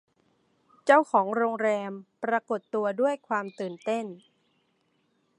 เจ้าของโรงแรมปรากฏตัวด้วยความตื่นเต้น